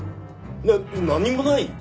な何もない？